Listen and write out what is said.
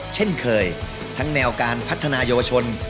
ถังแห่งแนวการพัฒนาโชว์อาชญะ